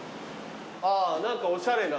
あぁ何かおしゃれな。